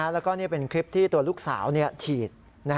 แล้วก็นี่เป็นคลิปที่ตัวลูกสาวฉีด